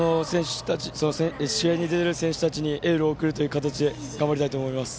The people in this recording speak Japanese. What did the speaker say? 試合に出ている選手たちにエールを送れるよう頑張りたいと思います。